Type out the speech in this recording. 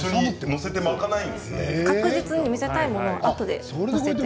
確実に見せたいものはあとで載せて。